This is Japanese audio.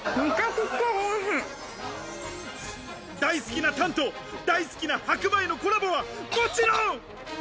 大好きなタンと大好きな白米のコラボはもちろん。